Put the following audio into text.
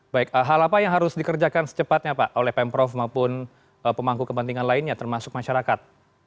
baik hal apa yang harus dikerjakan secepatnya pak oleh pemprov maupun pemangku kepentingan lainnya termasuk masyarakat